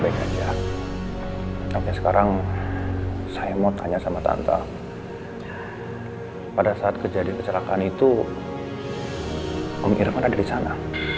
sampai sekarang saya mau tanya sama tante pada saat kejadian kecelakaan itu om irfan ada di sana